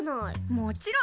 もちろん！